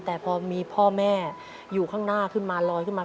แต่พอมีพ่อแม่อยู่ข้างหน้าขึ้นมาลอยขึ้นมา